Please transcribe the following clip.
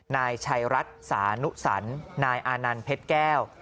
นายชายรัตร์ดสานุศรรภ์นายอานันทรุยเผ็ดแก้ว